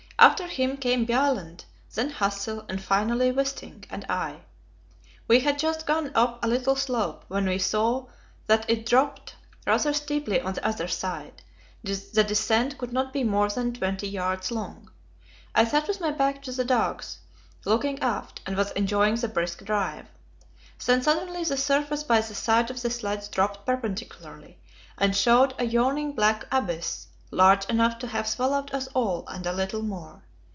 After him came Bjaaland, then Hassel, and, finally, Wisting and I. We had just gone up a little slope, when we saw that it dropped rather steeply on the other side; the descent could not be more than 20 yards long. I sat with my back to the dogs, looking aft, and was enjoying the brisk drive. Then suddenly the surface by the side of the sledge dropped perpendicularly, and showed a yawning black abyss, large enough to have swallowed us all, and a little more.